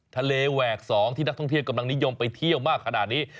แหวก๒ที่นักท่องเที่ยวกำลังนิยมไปเที่ยวมากขนาดนี้